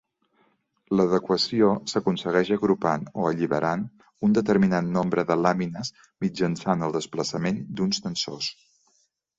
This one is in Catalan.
L'adequació s'aconsegueix agrupant o alliberant un determinat nombre de làmines mitjançant el desplaçament d'uns tensors.